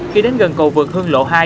khi đến gần cầu vực hương lộ hai